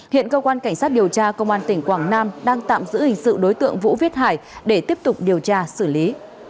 hiện cơ quan cảnh sát điều tra công an tỉnh quảng nam đang tạm giữ hình sự đối tượng vũ viết hải để tiếp tục điều tra xử lý